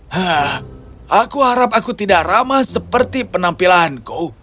hah aku harap aku tidak ramah seperti penampilanku